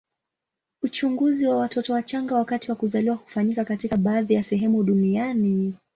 Uchunguzi wa watoto wachanga wakati wa kuzaliwa hufanyika katika baadhi ya sehemu duniani.